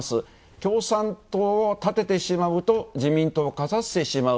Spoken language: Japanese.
共産党を立ててしまうと自民党を勝たせてしまう。